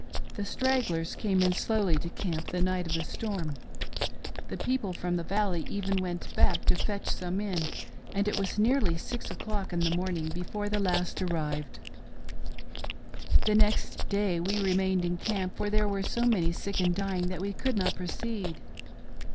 The stragglers came in slowly to camp the night of the storm ;— the people from the Valley even went back to fetch some in ; and it was nearly six o'clock in the morning before the last arrived 23(5 FIFTEEN BURIED IN ONE GRAVE. " The next day we remained in camp, for there were so many sick and dying that we could not proceed.